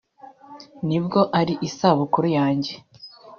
“Nubwo ari isabukuru yanjye